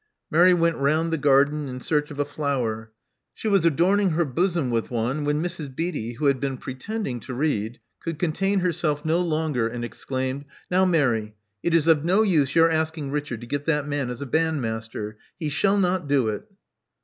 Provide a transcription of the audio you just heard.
Mary went round the garden in search of a flower. She was adorning her bosom with one, when Mrs. Beatty, who had been pretending to read, could con tain herself no longer, and exclaimed: Love Among the Artists 103 Now, Mary, it is of no use your asking Richard to get that man as bandmaster. He shall not do it."